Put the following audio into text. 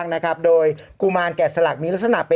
โอเคโอเคโอเคโอเคโอเค